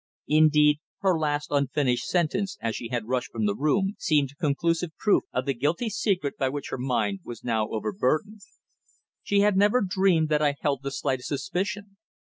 Indeed, her last unfinished sentence as she had rushed from the room seemed conclusive proof of the guilty secret by which her mind was now overburdened. She had never dreamed that I held the slightest suspicion.